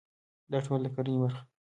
دا ټول د کرنې برخه ده.